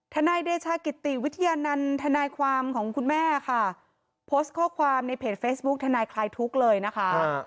นายเดชากิติวิทยานันต์ทนายความของคุณแม่ค่ะโพสต์ข้อความในเพจเฟซบุ๊คทนายคลายทุกข์เลยนะคะ